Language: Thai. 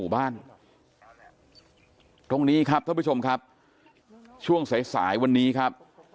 บ้านตรงนี้ครับท่านผู้ชมครับช่วงสายสายวันนี้ครับ